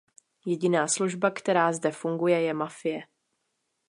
Jediná služba, která zde funguje, je mafie.